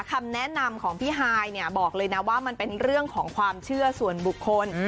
คำแนะนำของพี่ฮายเนี่ยบอกเลยนะว่ามันเป็นเรื่องของความเชื่อส่วนบุคคล